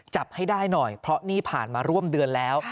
จับให้ได้หน่อยเพราะนี่ผ่านมาร่วมเดือนแล้ว